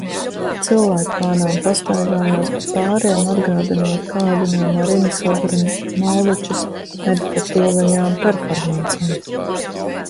Cilvēki lēnām pastaigājas pa pāriem, atgādinot kādu no Marinas Abramovičas meditatīvajām performancēm.